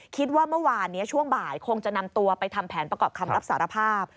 คิดว่าเมื่อวานนี้ช่วงบ่ายคงจะนำตัวไปทำแผนประกอบคำรับสารภาพ